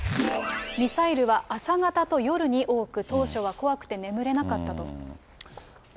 ミサイルは朝方と夜に多く、当初は怖くて眠れなかったと。